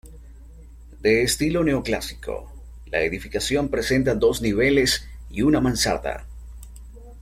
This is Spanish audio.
De estilo neoclásico, la edificación presenta dos niveles y una mansarda.